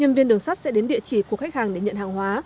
nhân viên đường sắt sẽ đến địa chỉ của khách hàng để nhận hàng hóa